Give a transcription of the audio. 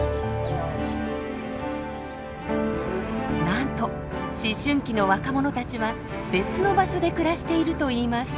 なんと思春期の若者たちは別の場所で暮らしているといいます。